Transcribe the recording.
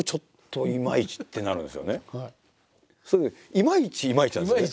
「いまいち」「いまいち」なんですよね。